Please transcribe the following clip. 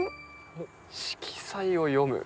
「色彩を詠む」。